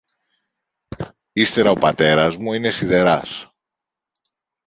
Ύστερα ο πατέρας μου είναι σιδεράς